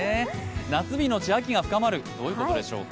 夏日のち秋が深まる、どういうことでしょうか？